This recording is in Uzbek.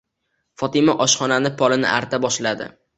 Fotima oshxonani polini arta boshladi.